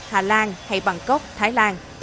hà lan hay bangkok thái lan